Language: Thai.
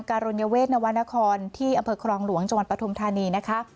การลงเยเวศนวรรณครที่อำเภอครองหลวงจังหวัดประธุมธรรมนี